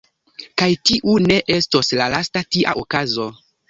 Kaj tiu ne estos la lasta tia okazo.